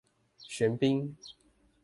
玄彬